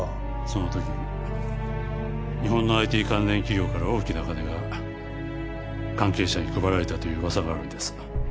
その時日本のＩＴ関連企業から大きな金が関係者に配られたという噂があるんです。